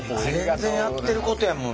全然やってることやもんね。